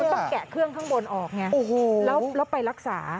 ต้องแกะเครื่องข้างบนออกไงแล้วไปรักษา